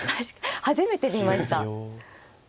初めて見ました。